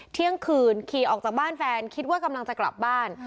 เที่ยงคืนขี่ออกจากบ้านแฟนคิดว่ากำลังจะกลับบ้าน